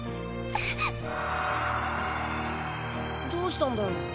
どうしたんだよ？